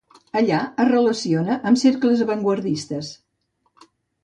Allà es relaciona amb cercles avantguardistes.